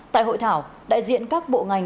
tại hội thảo đại diện các bộ ngành